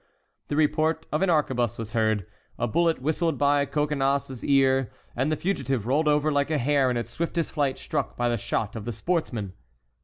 the report of an arquebuse was heard, a bullet whistled by Coconnas's ears, and the fugitive rolled over, like a hare in its swiftest flight struck by the shot of the sportsman.